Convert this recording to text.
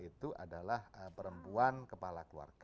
itu adalah perempuan kepala keluarga